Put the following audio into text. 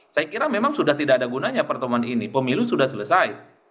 saya kira memang sudah tidak ada gunanya pertemuan ini pemilu sudah selesai